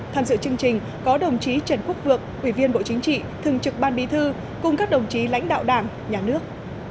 tham dự chương trình có đồng chí trần quốc vượng ủy viên bộ chính trị thường trực ban bí thư cùng các đồng chí lãnh đạo đảng nhà nước